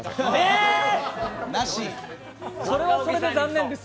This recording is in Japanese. ええっ、それはそれで残念です。